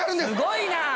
すごいな。